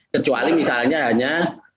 kecuali misalnya hanya